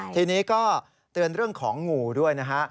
ทีนี้ก็เตือนเรื่องของงูด้วยนะฮะ